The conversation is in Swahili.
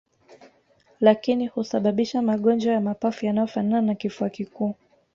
lakini husababisha magonjwa ya mapafu yanayofanana na kifua kikuu